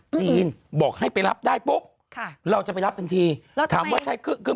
จีนบอกให้ไปรับได้ปุ๊บค่ะเราจะไปรับทันทีแล้วถามว่าใช้เครื่องคือ